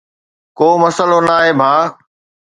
ڪو مسئلو ناهي ڀاءُ.